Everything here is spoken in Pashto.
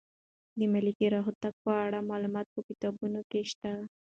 د ملکیار هوتک په اړه معلومات په کتابونو کې شته.